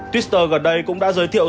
twitter gần đây cũng đã giới thiệu